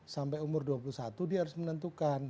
sampai umur dua puluh satu dia harus menentukan